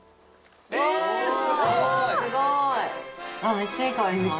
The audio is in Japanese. めっちゃいい香りします